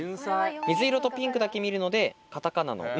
水色とピンクだけ見るのでカタカナの「ン」。